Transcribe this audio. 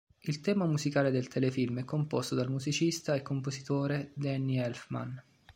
Il tema musicale del telefilm è composto dal musicista e compositore Danny Elfman.